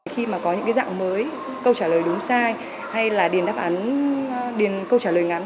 khi mà có những cái dạng mới câu trả lời đúng sai hay là điền đáp án điền câu trả lời ngắn